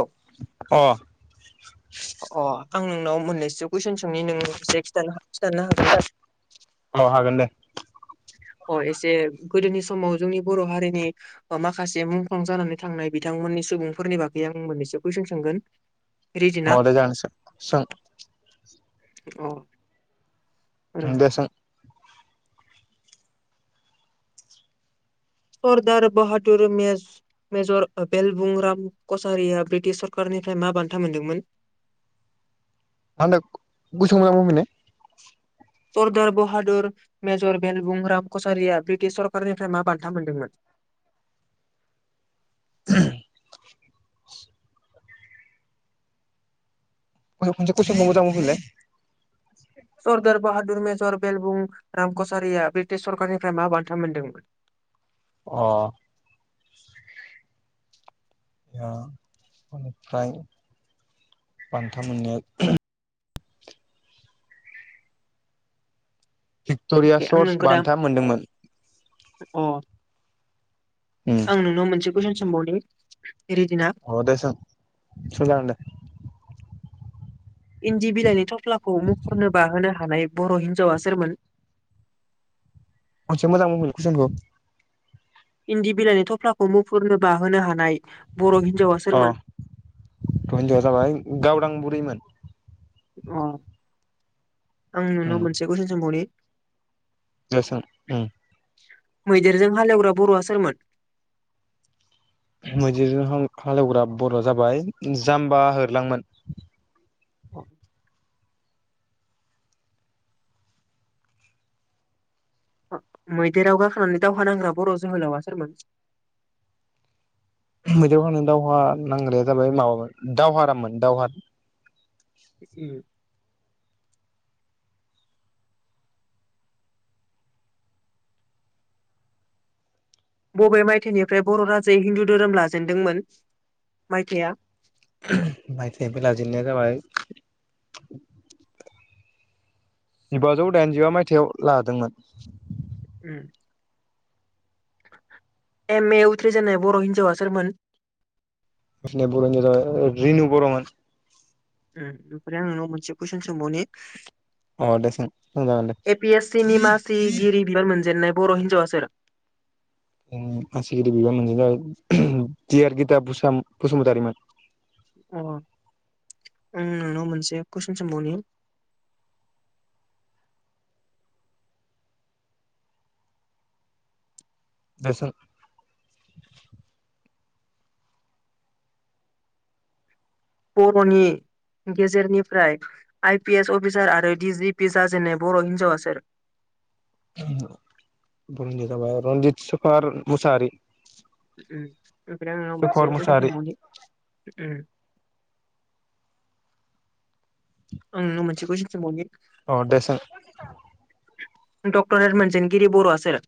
औ अ अ। आं नोंनाव मोननैसो कुइसन सोंनि नों एसे खिथानो खिन्थानो हागोन ना? औ हागोन दे अ एसे गोदोनि समाव जोंनि बर' हारिनि माखासे मुंख्लं जानानै थांनाय बिथांमोन नि सुबुंफोरनि बागै आं मोननैसो कुइसन सोंगोन। रेडि ना अ जागोन दे सों। अ। ओं र' दे सों। सर्दार बाहादुर मेजर बेलबुंराम कचारिया ब्रिटिश सरखारनि निफ्राय मा बान्था मोनदोंमोन? मा होन्दों गुसुं मोजां बुंफिनलाय। सर्दार बहाादुर मेजर बेलबुं राम कचारिया ब्रिटिश सरकारनिफ्राय मा बान्था मोनदोंमोन? [unintelligible] [inaudible] खनसे कुइसनखौ मोजां बुंफिनलाय? सरदार बाहादुर मेजर बेलबुं राम कचारिया ब्रिटिश सरखारारनिफ्राय मा बान्था मोनदोंमोन? अ अ निफ्राय बान्था मोननाया भिक्ट'रिया आं सर्स नोंखौ दा बान्था मोनदोंमोन। अ। उम आं नोंनाव मोनसे कुइसन सोंबावनि। रिदिना अ दे सों जागोन दे इन्दि खनसे मोजां बुंफिनलाय कुइसनखौ? इन्दि बिलाइनि थफ्लाखौ मुफुरनो बाहोनो हानाय बर' हिन्जावा अ सोरमोन हिनजावआ जाबाय गावदां बुरैमोन। अ आं नुनो उम मोनसे कुइसन सोंबावनि? दे सों उम। मैदेरजों हालेवग्रा बर'आ सोरमोन? मैदेरजों हालेवग्रा बर' जाबाय जाम्बा होरलांमोन। औ। मैदेराव गाखोनानै दावहा नांग्रा बर' जोहोलावा सोरमोन? मैदेरआव खोना दावहा नांग्राया जाबाय माबामोन दावहारामोन दावहाराम। उ बबे मायथाइनिफ्राय बर' राजायै हिन्दु धोरोम लाजेनदोंमोन मायथाइया? माइफेफलाजेननाया जाबाय जिबाजौ दाइनजिबा मायथायाइाव लादोंमोन। उ एम ए उथ्रिजानाय बर' हिन्जावा सोरारमोन? बि बर'निेर जाबाय रिेनु बर'मोन। उ ओमफ्राय आं न' मोनसे कुइसन सोंबावनि? अ दे सों जागोन दे ए पि एस सि नि मासिगिरि बि मोनजेननाय बर' हिन्जावा सोर? मासिगिरि बिबान मोनजेन नाया डआर गिता बसुमतारिमोन अ आं नोंनाव मोनसे कुइसन सोंबावनि? [inaudible] [unintelligible] देसों बर'नि गेजेरनिफ्राय आइपि एस अफिसार आरो डि जिपि जाजेननाय बर हिन्जावा सोर बुंनि जाबाय रनजित सफार मुसारि उम ओमफ्राय आङो मोनसे कइसन मुसाहारि सोनबावनि उम आं नोंनाव मोनसे कुयसन सोंबावनि। अ द सों। डक्टरेट मोनजेनगिरि बर आ सोर?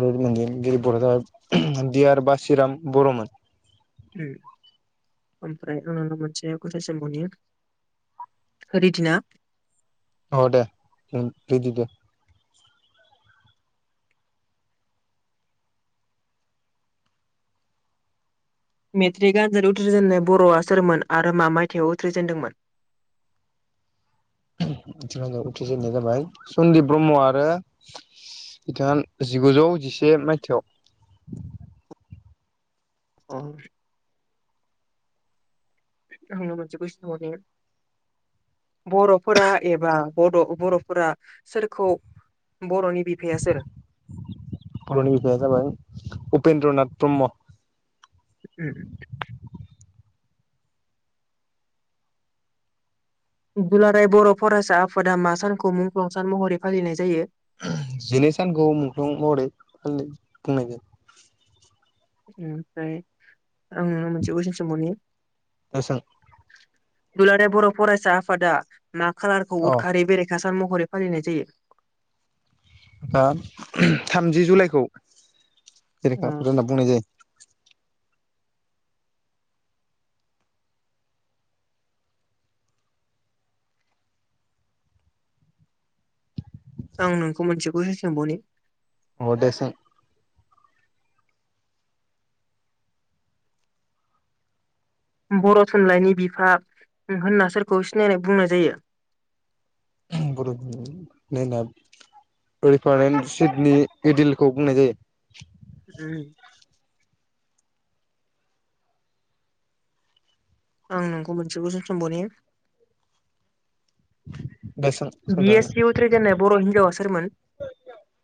ओ मोजेनगिरि बर आ जाबाय दि यार बासिराम बरमोन। उम ओमफ्राय आं मोनसे कुयसन सोंबावनि। हारिदिना औ दे उम रेदि दे मेट्रिक आनजाद उथ्रिजेननाय बरआ सोरमोन आरो मा मायथाइयाव उथ्रिजेनदोंमोन? [inaudible] मेट्रीक आनजाद उथ्रिजेननाय जाबाय सनदिप ब्रह्म आरो बिथाङा जिगुजौ जिसे मायथायाव। आ आङो मोनसे कुयसन सोंबावनि। बरफोरा एबा बड बरफोरा सोरखौ बर'नि बिफाया सोर बरनि बिफाया जाबाय उप उपेन्द्रनाथ ब्रह्म। उम दुलाराय बर फरायसा आफादा मा सानखौ मुंख्लं सान महरै फालिनाय जायो। जिनै सानखौ मुंख्लं महरै फालि बुंनाय जायो। ओमफ्राय आं नोंनाव मोनसे मोनसे कइसन सोंबावनि। दे सों। दुलाराय बर फरायसा आफादा ना खालारखौ अ उदखारि बेरेखा सा सान महरै फालिनाय जायो। आ थामजि जुलाइखौ उम जेरेखाफोर होनना बुंनाय जायो। आं नोंखौ मोनसे कुइसन सोंबावनि। अ दे सों। बर थुनलाइनि बिफा उम होनना सोरखौ सिनायनाय बुंनाय जायो। [unintelligible] रिफारेन सिदनि इदिलखौ बुंनाय जायो। उम आं नोंखौ मोनसे कुयसन समबावनि। दे सों बि एस सोंजागोन किउ उथ्रिजेननाय बर हिनजावा सोरमोन।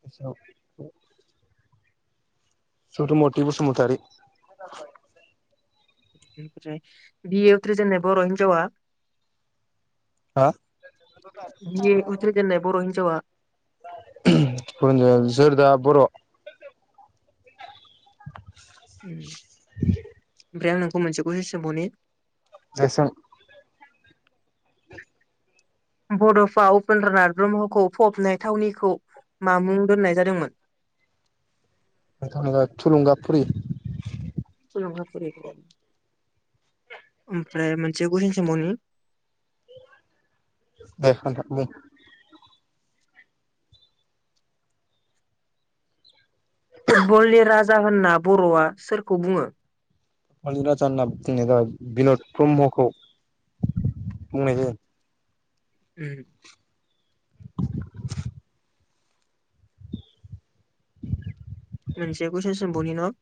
[unintelligible] सौथु मथि उसुमतारि। ओमफ्राय बि ए उथ्रि जेननाय बर हिनजावा हा बि ए उथ्रिजेननाय बर हिनजावा [unintelligible] जेरदा बर। [inaudible] उम ओमफ्राय आं नोंखौ मोनसे कुइसन सोंबावनि। दे सों। [inaudible] बडफा उपेन्द्रनाथ ब्रह्मखौ फबनाय थावनिखौ मा मुं दोननाय जादोंमोन। [unintelligible] थुलुंगा फुरि माफुरखौ। ओमफ्राय मोनसे कुइसन सोंबावनि। ओइ खानथाब बुं। फुटबलनि राजा होनना बर'आ सोरखौ बुङो। फुटबलनि राजा होनना बुंनाया जाबाय बिन'द ब्रह्मखौ। बुंनाय जायो। ओम। मोनसे कुइसन सोंमबावनिन'।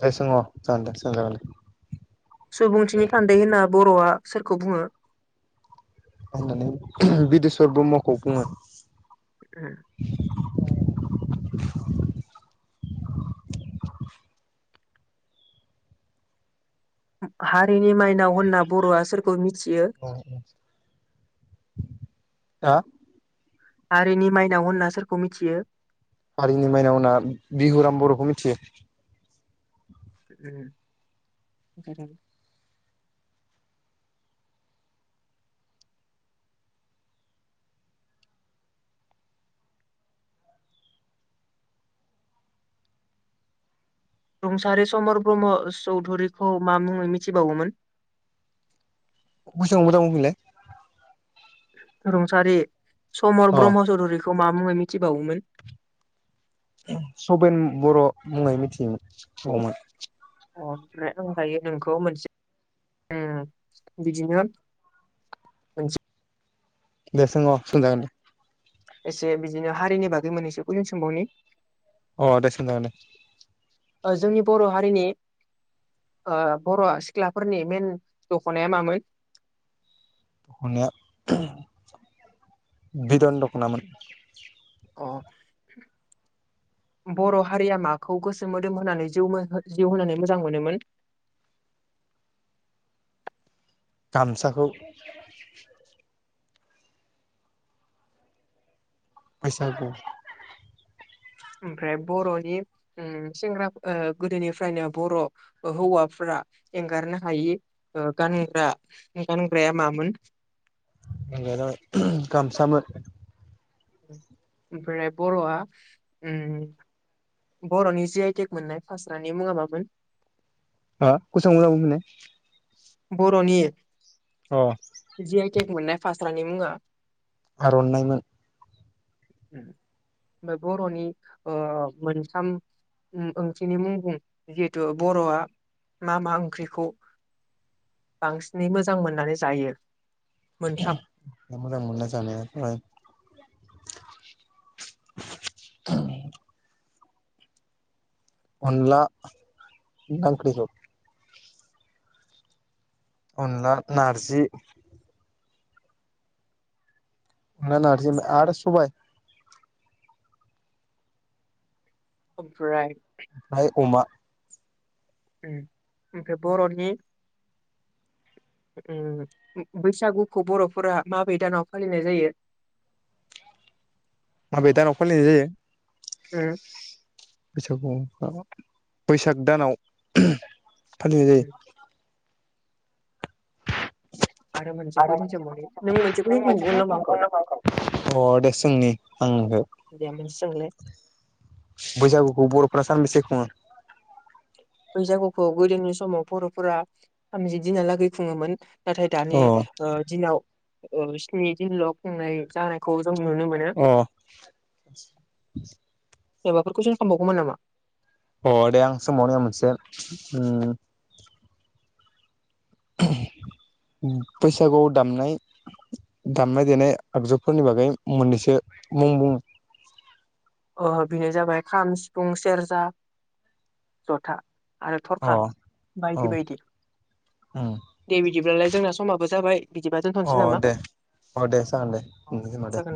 जाय सों अ जागोन दे सोंजागोन दे [inaudible] सुबुंथिनि थान्दै होनना बर'आ सोरखौ बुङो‌? होननानै बिदेस्वर ब्रह्मखौ बुङो। ओम। [inaudible] ओम हारिनि माइनाव होनना बर'आ सोरखौ मि अ'ह‌ हा हारिनि माइनाव होनना सोरखौ मिथियो? हारिनि माइनाव होनना बिहुराम बर'खौ मिथियो। ओम होम। रुंसारि समर ब्रह्म चौधुरिखौ मा मुङै मिथिबावोमोन? बैसोखौ मोजां बुंफैनलाय। रुंसारि समर अ ब्रह्म चौधुरि खौ मा मुङै मिथिबावोमोन? सबेन बर' मुङै मिथियोमोनबावोमोन। अके आं दायो नोंखौ मोनसे बिदिनो मोनसे। दे सोंङ सं जागोन दे। एसे बिदिनो हारिनि बागै मोनहैसो कुइसन सोमबावनि। अ देसून जागोन दे। ओ जोंनि बर' हारिनि ओ बर'आ सिख्लाफोरनि मेन दख'नाया मामोन? दखनाया बेदन दखनामोन। अ'। बर' हारिया माखौ गोसो मोदोम होनानै जिउ मो हो जिउ होनानै मोजां मोनोमोन? [inaudible] गामसाखौ बैसागु ओमफ्राय बर'नि ओम सेंग्रा ओ गोदोनिफ्रायनो बर' ओ हौवाफोरा एंगारनो हायि ओ गानग्रा गानग्राया मामोन? मानगोनां गामसामो। ओमफ्राहाय बर'आ ओम बर'नि जिआइटेक मोननाय फास्रानि मुङा मामोन? अ कुयसनखौ मोजां बुंफिनलाय। बर'नि अ जि आइ टेक मोननाय फास्रानि मुङा। आरननायमोन। बर'नि ओ मोनथाम ओम ओंख्रिनि मुं बुं जिहेथु बर'आ मा मा ओंख्रिखौ बांसिनै मोजां मोननानै जायो। मोनथाम मोजां मोननाय जानाया जाबाय [unintelligible] अनला [unintelligible] अनला, नारजि आरो नारजि आरो सबाय। ओमफ्राय ओमफ्राय अमा। उम ओमफ्राय बर'नि [inaudible] उम बैसागुखौ बर'फोरा माबे दानाव फालिनाय जायो? माबे दानाव फालिनाय जायो? उम। बैसागुआव हाबाब बैसाग दानाव ओम फालिनाय जायो। उम आरो अ मोनसेखौ दे। जों सोंबावनि नों मोनसेखौ जों सोंबावगोन नामा आंखौ जोंनि आंगो दे मोनसे सोंलाय बैसागुखौ बर' फ्रा सानबैसे खुङो। बैसागुखौ गोदोनि समाव बर'फोरा थामजि दिनाहा लागै खुङोमोन। नाथाय दानि अ ओ दिनाव ओ स्नि दिनल' खुंनाय जानायखौ जों नुनो मोनो। अ माबाफोरखौ कुइसन खामबावगौमोन नामा? अ दे आं सोंबावनि मोनसे उम। ओम बैसागुआव दामनाय दामनाय-देनाय आगजुफोरनि बागै मोननैसो मुं बुं ओ बेयो जाबाय खाम, सिफुं, सेरजा, जथा आरो थरखा अ औ बायदि-बायदि। उम दे बिदिब्लालाय जोंना समाबो जाबाय बिदिबा अ दोनथ'नोसै नामा दे अ दे जागोन दे अ दोननि खोमा दे। जागोन